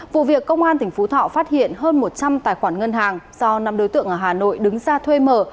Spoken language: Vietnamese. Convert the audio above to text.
vụ việc công an tỉnh phú thọ phát hiện hơn một trăm linh tài khoản ngân hàng do năm đối tượng ở hà nội đứng ra thuê mở